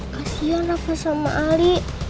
kasian aku sama ali